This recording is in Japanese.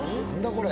これ！